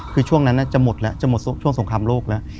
คือช่วงนั้นจะหมดแล้วจะหมดช่วงสงครามโลกแล้ว